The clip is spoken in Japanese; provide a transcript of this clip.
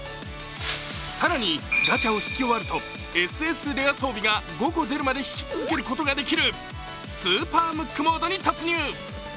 更に、ガチャを引き終わると、ＳＳレア装備が５個出るまで引き続けることができるスーパームックモードに突入。